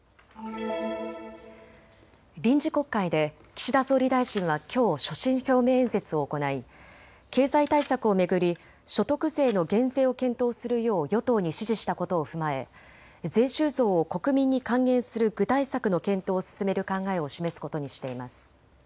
臨時国会で岸田総理大臣はきょう所信表明演説を行い経済対策を巡り所得税の減税を検討するよう与党に指示したことを踏まえ税収増を国民に還元する具体策の検討を進める考えを示すことにしています。